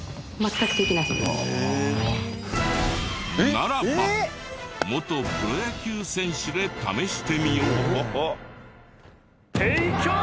ならば元プロ野球選手で試してみよう。